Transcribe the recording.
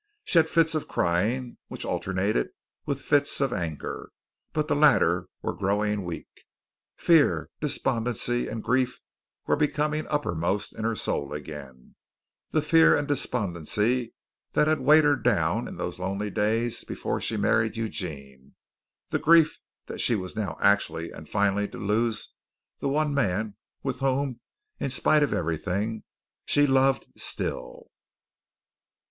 She had fits of crying, which alternated with fits of anger, but the latter were growing weak. Fear, despondency, and grief were becoming uppermost in her soul again the fear and despondency that had weighed her down in those lonely days before she married Eugene, the grief that she was now actually and finally to lose the one man whom, in spite of everything, she loved still.